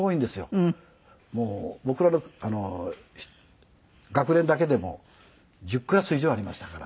もう僕らの学年だけでも１０クラス以上ありましたから。